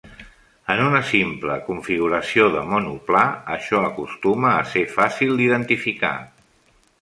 En una simple configuració de monoplà, això acostuma a ser fàcil d'identificar.